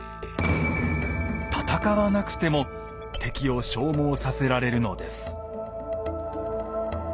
戦わなくても敵を消耗させられるのです。